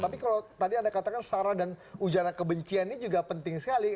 tapi kalau tadi anda katakan sara dan ujaran kebencian ini juga penting sekali